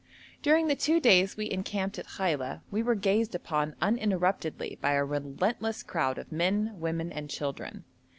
During the two days we encamped at Khaila we were gazed upon uninterruptedly by a relentless crowd of men, women, and children.